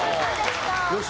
よし！